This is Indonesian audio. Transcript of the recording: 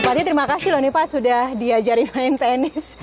bupati terima kasih loh nih pak sudah diajari main tenis